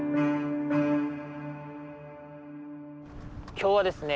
今日はですね